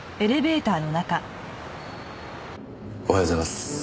おはようございます。